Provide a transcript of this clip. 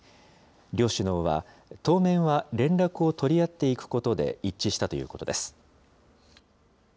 両首脳は、当面は連絡を取り合っていくことで一致したということです。